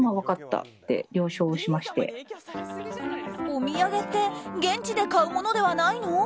お土産って現地で買うものではないの？